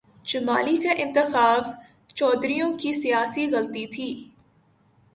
جمالی کا انتخاب چودھریوں کی سیاسی غلطی تھی۔